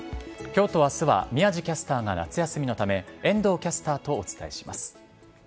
きょうとあすは宮司キャスターが夏休みのため、遠藤キャスターとお伝えします。